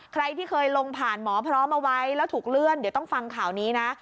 ใครที่เคยลงผ่านหมอพร้อมเอาไว้แล้วถูกเลื่อนเดี๋ยวต้องฟังข่าวนี้นะ